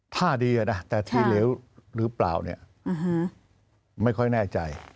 ถ้าดีอะนะแต่ทีเหลวหรือเปล่าไม่ค่อยแน่ใจ